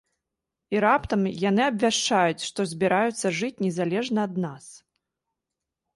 І раптам яны абвяшчаюць, што збіраюцца жыць незалежна ад нас!